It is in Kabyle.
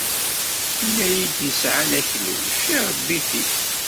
Win ay d-yesɛan akluc, iṛebbi-t-id.